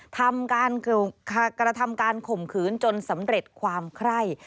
ทำการกระทำการข่มขืนจนสำเร็จความไคร่